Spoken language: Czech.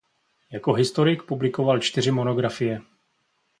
Jako historik publikoval čtyři monografie.